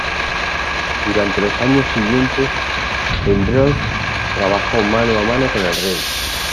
Durante los años siguientes, Pembroke trabajó mano a mano con el rey.